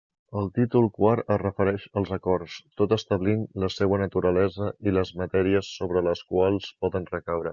El títol quart es refereix als acords, tot establint la seua naturalesa i les matèries sobre les quals poden recaure.